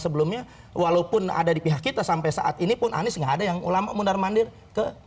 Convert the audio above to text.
sebelumnya walaupun ada di pihak kita sampai saat ini pun anies nggak ada yang ulama mundar mandir ke